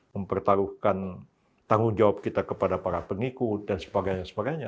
mempertaruhkan tanggung jawab kita kepada para pengikut dan sebagainya sebagainya